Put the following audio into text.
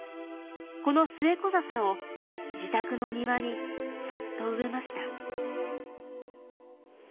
このスエコザサを自宅の庭にそっと植えました。